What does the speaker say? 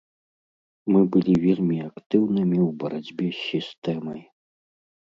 Мы былі вельмі актыўнымі ў барацьбе з сістэмай.